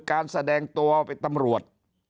การแสดงตัวเป็นตำรวจ